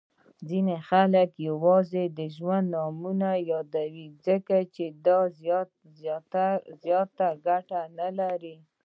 ځیني خلګ یوازي د ځایونو نومونه یادوي، چي دا زیاته ګټه نلري.